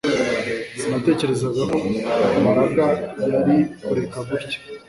Sinatekerezaga ko Mbaraga yari kureka gutya